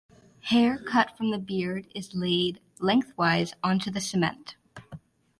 Hair cut from the beard is laid lengthwise onto the cement.